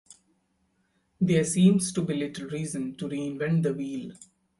There seems to be little reason to reinvent the wheel.